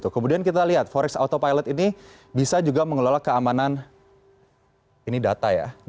kemudian kita lihat forex autopilot ini bisa juga mengelola keamanan ini data ya